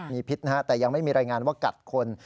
มีพิษนะฮะแต่ยังไม่มีรายงานว่ากัดคน